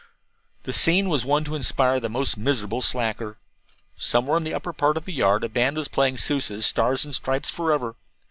The scene was one to inspire the most miserable slacker. Somewhere in the upper part of the yard a band was playing Sousa's "Stars and Stripes Forever."